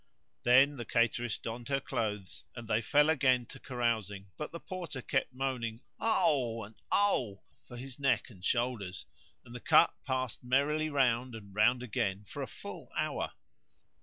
Then the cateress donned her clothes and they fell again to carousing, but the Porter kept moaning, "Oh! and Oh!" for his neck and shoulders, and the cup passed merrily round and round again for a full hour.